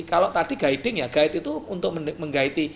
kalau tadi guiding ya guide itu untuk menggaiti